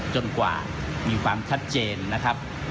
จนกว่ามีความชัดเจนนะครับ